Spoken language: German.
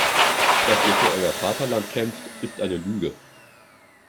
Dass ihr für euer Vaterland kämpft, ist eine Lüge.